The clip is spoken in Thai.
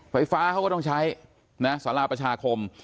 ไฟฟ้าเขาก็ต้องใช้นะสาราประชาคม